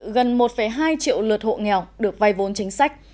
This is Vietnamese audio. gần một hai triệu lượt hộ nghèo được vay vốn chính sách